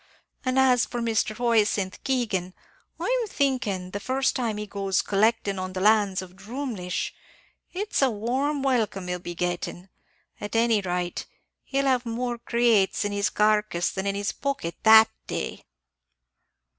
An' as for Mr. Hyacinth Keegan, I'm thinking, the first time he goes collectin' on the lands of Drumleesh, it's a warm welcome he'll be gettin'; at any rate, he'd have more recates in his carcass than in his pocket, that day."